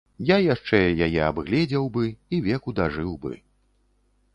Я яшчэ яе абгледзеў бы і веку дажыў бы.